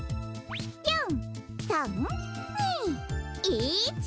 ４３２１。